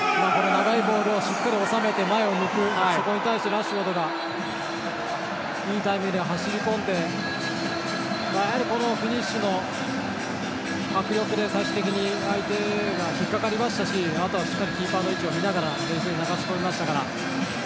長いボールをしっかり収めて、前を向くそこに対してラッシュフォードがいいタイミングで走り込んでフィニッシュの迫力で最終的に引っかかりましたしあとはキーパーの位置を見て冷静に流し込みましたから。